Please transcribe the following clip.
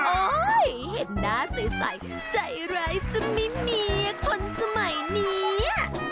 โอ๊ยเห็นหน้าใสใจร้ายซะมิคนสมัยนี้